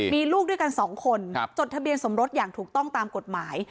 มีลูกด้วยกัน๒คนจดทะเบียนสมรสอย่างถูกต้องตามกฎหมาย